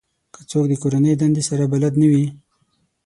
که څوک د کورنۍ دندې سره بلد نه وي